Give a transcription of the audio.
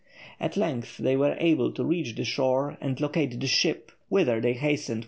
At length they were able to reach the shore and locate the ship, whither they hastened with the news.